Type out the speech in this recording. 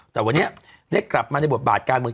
แต่วันนี้ได้กลับมาในบทบาทการเมือง